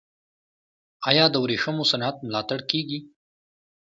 آیا د ورېښمو صنعت ملاتړ کیږي؟